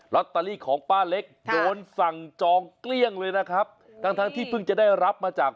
ตเตอรี่ของป้าเล็กโดนสั่งจองเกลี้ยงเลยนะครับทั้งทั้งที่เพิ่งจะได้รับมาจาก